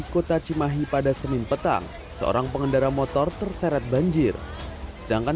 kota cimahi pada senin petang seorang pengendara motor terseret banjir sedangkan